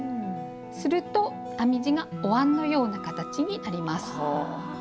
すると編み地がおわんのような形になります。